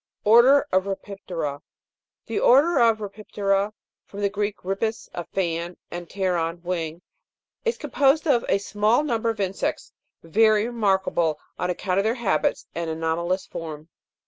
ORDER OF RHIPIP'TERA. 12. The order of Rhipip'tera (from the Greek, ripis, a fan, and pteron, wing) is composed of a small number of insects, very remarkable on account of their habits and anomalous form.